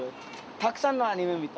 たくさんのアニメ見た。